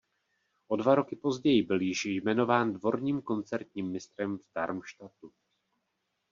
O dva roky později byl již jmenován dvorním koncertním mistrem v Darmstadtu.